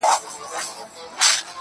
پسله كلونه چي جانان تـه ورځـي.